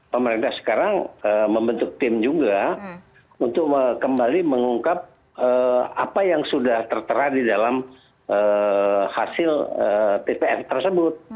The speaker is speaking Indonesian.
pemerintah sekarang membentuk tim juga untuk kembali mengungkap apa yang sudah tertera di dalam hasil tpf tersebut